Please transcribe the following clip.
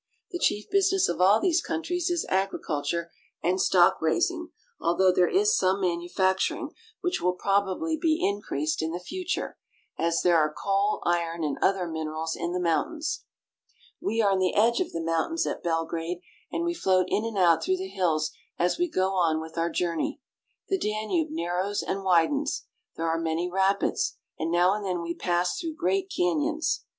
The chief business of all these countries is agriculture and stock raising, although there is some manufacturing, which will probably be increased in the future, as there are coal, iron, and other minerals in the mountains. We are on the edge of the mountains at Belgrade, and we float in and out through the hills as we go on with our journey. The Danube narrows and widens. There are many rapids, and now and then we pass through great canyons.